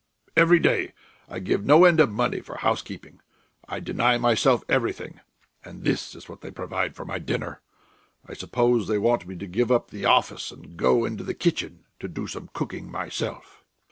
"Every day I give no end of money for housekeeping.... I deny myself everything, and this is what they provide for my dinner! I suppose they want me to give up the office and go into the kitchen to do the cooking myself."